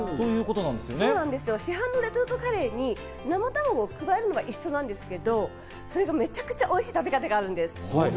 市販のレトルトカレーに生卵を加えれば一緒なんですけど、めちゃくちゃおいしい食べ方があるんです。